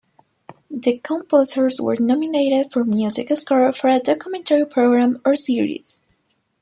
The composers were nominated for Music Score for a Documentary Program or Series.